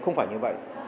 không phải như vậy